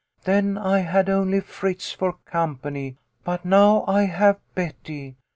" Then I had only Fritz for company, but now I have Betty.